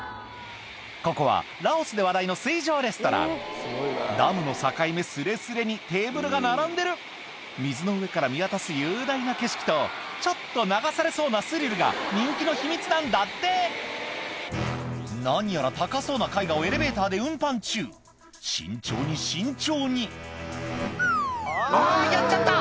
ここはラオスで話題の水上レストランダムの境目すれすれにテーブルが並んでる水の上から見渡す雄大な景色とちょっと流されそうなスリルが人気の秘密なんだって何やら高そうな絵画をエレベーターで運搬中慎重に慎重にあやっちゃった！